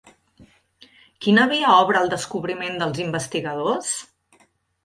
Quina via obre el descobriment dels investigadors?